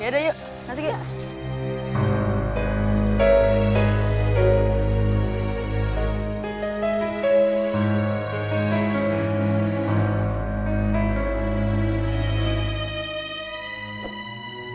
yaudah yuk masuk yuk